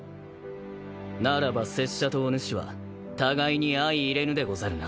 ならば拙者とおぬしは互いに相いれぬでござるな。